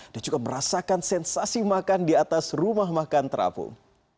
dan juga merasakan sensasi makan di atas rumah makan terapung